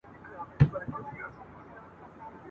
نارې د حق دي زیندۍ په ښار کي ..